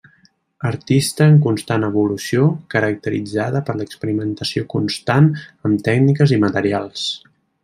Artista en constant evolució, caracteritzada per l'experimentació constant amb tècniques i materials.